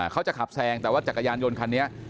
เขาจะขับแซงแต่ว่าจักรยานยนต์คันนี้